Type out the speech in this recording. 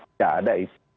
tidak ada itu